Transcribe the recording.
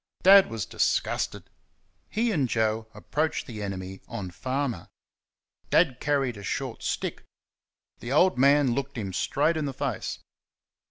Dad was disgusted. He and Joe approached the enemy on Farmer. Dad carried a short stick. The "old man" looked him straight in the face.